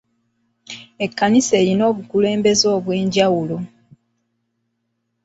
Ekkanisa erina obukulembeze obw'enjawulo.